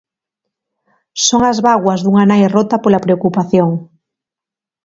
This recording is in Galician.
Son as bágoas dunha nai rota pola preocupación.